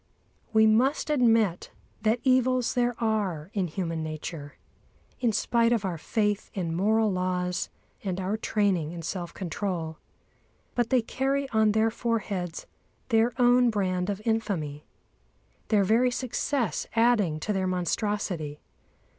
We must admit that evils there are in human nature, in spite of our faith in moral laws and our training in self control. But they carry on their foreheads their own brand of infamy, their very success adding to their monstrosity.